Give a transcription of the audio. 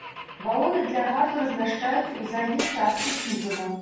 Балоны для газу размяшчаюцца ў задняй частцы кузава.